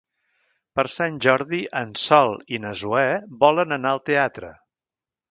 Per Sant Jordi en Sol i na Zoè volen anar al teatre.